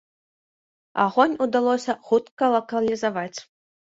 Агонь удалося хутка лакалізаваць.